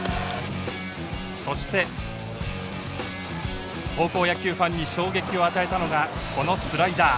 そして高校野球ファンに衝撃を与えたのがこのスライダー。